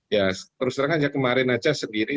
ya terus terang aja kemarin aja sendiri